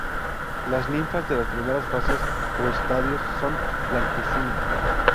Las ninfas de las primeras fases o estadios son blanquecinas.